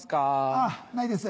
あないです。